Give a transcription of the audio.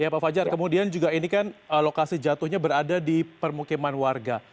ya pak fajar kemudian juga ini kan lokasi jatuhnya berada di permukiman warga